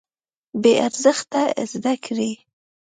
بې ارزښته زده کړې.